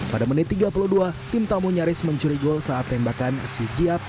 pada menit tiga puluh dua tim tamu nyaris mencuri gol saat tembakan sikiat